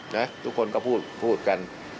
นะทุกคนก็พูดพูดกัน